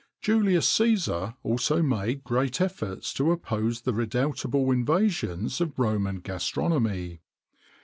[XXIX 87] Julius Cæsar also made great efforts to oppose the redoubtable invasions of Roman gastronomy.